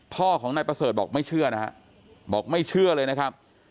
พ่อของนายประเสริฐบอกไม่เชื่อนะฮะบอกไม่เชื่อเลยนะครับ